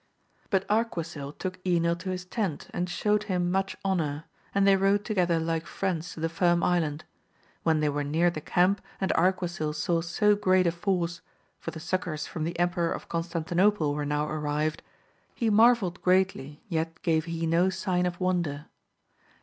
But Arquisil took Enil to his tent and showed him much honour ; and they rode together like Mends to the Firm Island. When they were near the camp and Arquisil saw so great a force, for the succours from the Emperor of Constantinople were now arrived, he marvelled greatly, yet gave he no sign of wonder.